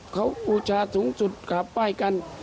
เขาอุชาสูงสุดขับไว้กัน